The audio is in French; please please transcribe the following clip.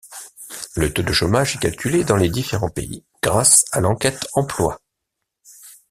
Le taux de chômage est calculé dans les différents pays grâce à l'enquête emploi.